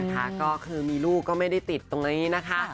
ก็คือมีลูกก็ไม่ได้ติดตรงนี้นะคะ